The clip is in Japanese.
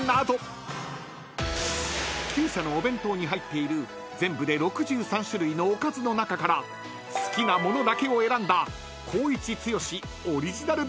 ［９社のお弁当に入っている全部で６３種類のおかずの中から好きな物だけを選んだ光一・剛オリジナル